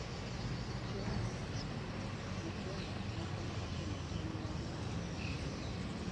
Chieng' moro e skul, nyithindo moko ne otimo tim moro marach ahinya.